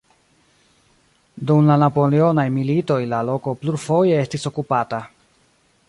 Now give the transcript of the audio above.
Dum la Napoleonaj Militoj la loko plurfoje estis okupata.